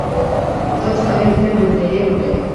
Tot fa ventre, mentre hi entre.